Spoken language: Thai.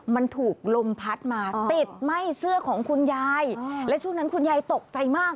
มันถูกลมพัดมาติดไหม้เสื้อของคุณยายและช่วงนั้นคุณยายตกใจมาก